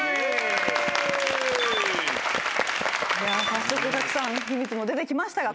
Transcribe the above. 早速たくさん秘密も出てきましたが。